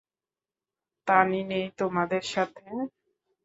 তানি নেই তোমাদের সাথে?